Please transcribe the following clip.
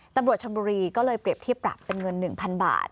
ตำรวจชนบุรีก็เลยเปรียบเทียบปรับเป็นเงิน๑๐๐๐บาท